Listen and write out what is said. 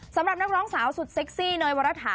สำหรับนักร้องสาวสุดเซ็กซี่เนยวรฐา